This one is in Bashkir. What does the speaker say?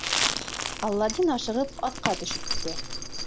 Аладдин ашығып аҫҡа төшөп китә.